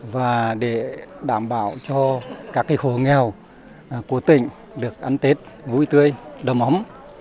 và để đảm bảo cho các hồ nghèo của tỉnh được ăn tết vui tươi đầm ấm